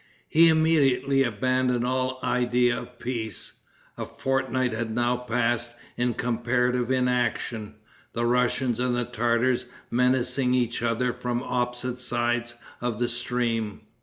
He immediately abandoned all idea of peace. A fortnight had now passed in comparative inaction, the Russians and Tartars menacing each other from opposite sides of the stream.